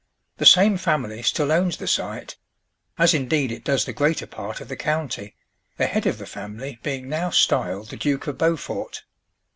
The same family still owns the site; as indeed it does the greater part of the county; the head of the family being now styled the Duke of Beaufort.